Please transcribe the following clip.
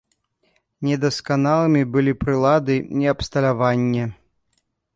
Недасканалымі былі прылады і абсталяванне.